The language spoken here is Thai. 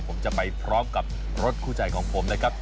ผมจะไปพร้อมกับรถคู่ใจของผมนะครับ